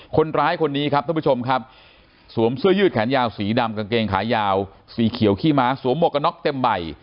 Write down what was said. คนร้ายคนนี้ครับท่านผู้ชมครับสวมเสื้อยืดแขนยาวสีดำกางเกงขายาวสีเขียวขี้ม้าสวมหวกกระน็อกเต็มใบ